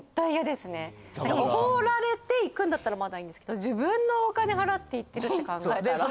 奢られて行くんだったらまだいいんですけど自分のお金払って行ってるって考えたら。